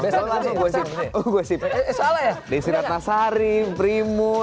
besok langsung gue sip eh salah ya